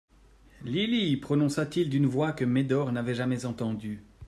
Lily ! prononça-t-il d'une voix que Médor n'avait jamais entendue.